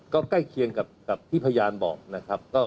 ก็ใกล้เคียงกับที่พยานบอกนะครับ